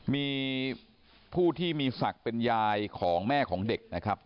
มีผู้ที่มีศักดิ์เป็นยายของแม่ของเด็กนะครับ